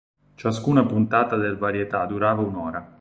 Ciascuna puntata del varietà durava un'ora.